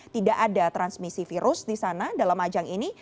tidak ada transmisi virus di sana dalam ajang ini